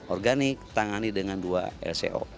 organik tangani dengan dua lco